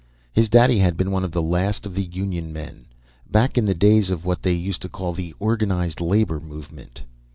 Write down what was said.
His daddy had been one of the last of the Union Men, back in the days of what they used to call the Organized Labor Movement.